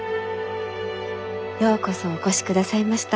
ようこそお越しくださいました。